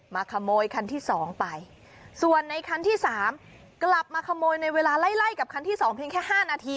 มาขโมยคันที่สองไปส่วนในคันที่สามกลับมาขโมยในเวลาไล่ไล่กับคันที่สองเพียงแค่ห้านาที